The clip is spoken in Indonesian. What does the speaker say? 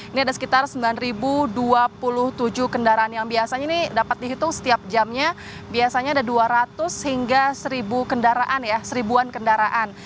ini ada sekitar sembilan dua puluh tujuh kendaraan yang biasanya ini dapat dihitung setiap jamnya biasanya ada dua ratus hingga seribu kendaraan ya seribuan kendaraan